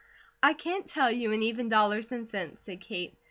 "I can't tell you, in even dollars and cents," said Kate.